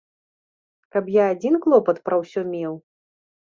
Каб я адзін клопат пра ўсё меў?